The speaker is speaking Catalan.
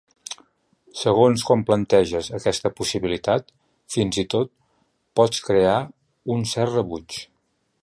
Segons com planteges aquesta possibilitat, fins i tot, pots crear un cert rebuig.